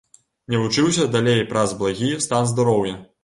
Не вучыўся далей праз благі стан здароўя.